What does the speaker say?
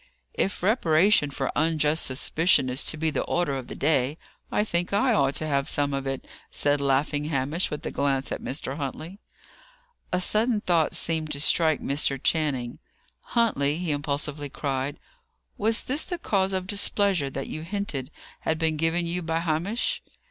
"If reparation for unjust suspicion is to be the order of the day, I think I ought to have some of it," said laughing Hamish, with a glance at Mr. Huntley. A sudden thought seemed to strike Mr. Channing. "Huntley," he impulsively cried, "was this the cause of displeasure that you hinted had been given you by Hamish?"